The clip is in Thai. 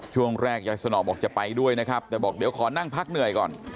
ช่วงแรกยายสนองบอกจะไปด้วยนะครับแต่บอกเดี๋ยวขอนั่งพักเหนื่อยก่อน